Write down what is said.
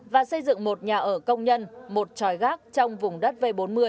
và xây dựng một nhà ở công nhân một tròi gác trong vùng đất v bốn mươi